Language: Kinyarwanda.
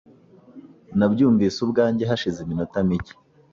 Nabyumvise ubwanjye hashize iminota mike .